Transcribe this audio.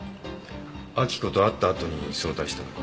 明子と会った後に早退したのか？